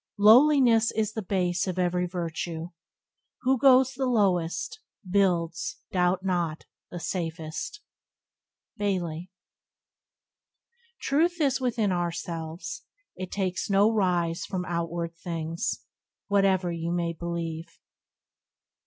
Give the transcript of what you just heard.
"Lowliness is the base of every virtue: Who goes the lowest, builds, doubt not, the safest." —Bailey. "Truth is within ourselves; it takes no rise From outward things, whate'er you may believe."